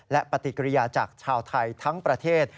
และปฏิกิริยาจากชาวไทยทั้งประเทศ